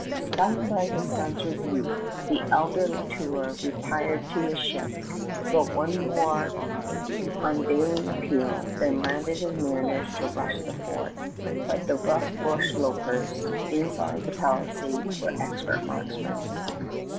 Stung by his son's rebuke, the elder La Tour retired to his ship, wrote one more unavailing appeal, then landed his mariners to rush the fort. But the rough bush lopers inside the palisades were expert marksmen.